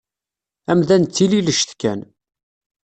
Amdan d tililect kan.